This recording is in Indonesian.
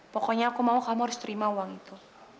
pokoknya aku mau kamu harus terima uang itu